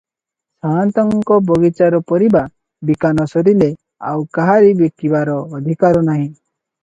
ସାଆନ୍ତଙ୍କ ବଗିଚାର ପରିବା ବିକା ନ ସରିଲେ ଆଉ କାହାରି ବିକିବାର ଅଧିକାର ନାହିଁ ।